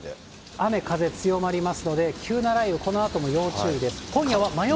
雨、風強まりますので、急な雷雨、このあとも要注意です。